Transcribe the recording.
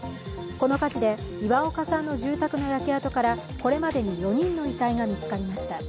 この火事で岩岡さんの住宅の焼け跡からこれまでに４人の遺体が見つかりました。